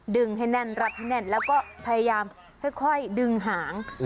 ดึงให้แน่นรัดให้แน่นแล้วก็พยายามค่อยดึงหาง